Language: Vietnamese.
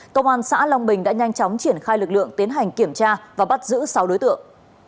công an xã long bình đã nhanh chóng triển khai lực lượng tiến hành kiểm tra và bắt giữ sáu đối tượng